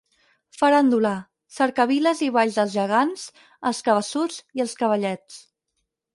Faràndula: cercaviles i balls dels Gegants, els Cabeçuts i els Cavallets.